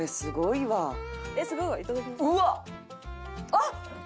あっ！